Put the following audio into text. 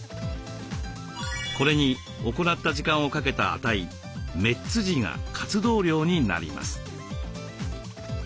これに行った時間をかけた値「メッツ時」が活動量になります。